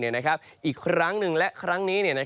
อีกครั้งหนึ่งและครั้งนี้